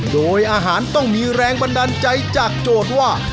โดยอาหารต้องมีแรงบันดาลใจจากโจทย์ว่า